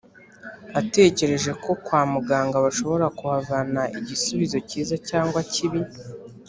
atekereje ko kwa muganga bashobora kuhavana igisubizo kiza cyangwa kibi